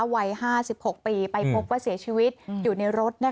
วัย๕๖ปีไปพบว่าเสียชีวิตอยู่ในรถ